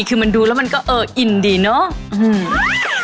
คือมันดูแล้วมันก็เอออินดีเนาะ